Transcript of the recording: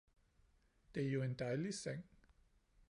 Det er jo en dejlig seng.